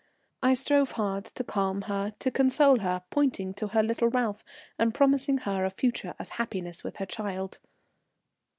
I strove hard to calm her, to console her, pointing to her little Ralph, and promising her a future of happiness with her child.